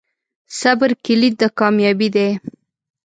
صبر کلید د کامیابۍ دی.